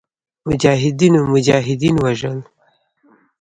مجاهدینو مجاهدین وژل.